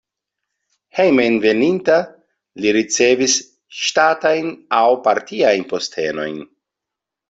Hejmenveninta li ricevis ŝtatajn aŭ partiajn postenojn.